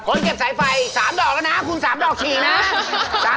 เก็บสายไฟ๓ดอกแล้วนะคุณ๓ดอกฉี่นะ